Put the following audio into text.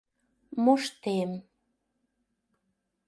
Моштем...